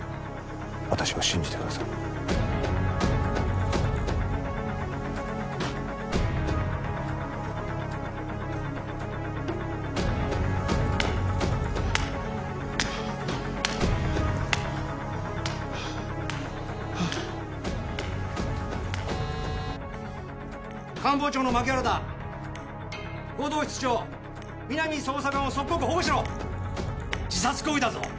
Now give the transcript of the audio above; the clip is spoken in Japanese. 私を信じてください官房長の槇原だ護道室長皆実捜査官を即刻保護しろ自殺行為だぞ！